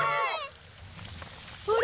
あれ？